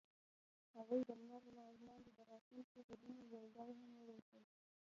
هغوی د لمر لاندې د راتلونکي خوبونه یوځای هم وویشل.